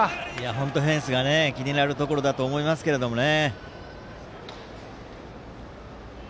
本当にフェンスが気になるところだと思いますけどね。